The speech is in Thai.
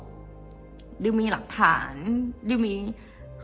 เพราะในตอนนั้นดิวต้องอธิบายให้ทุกคนเข้าใจหัวอกดิวด้วยนะว่า